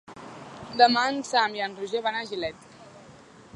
Demà en Sam i en Roger van a Gilet.